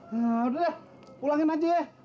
yaudah pulangin aja ya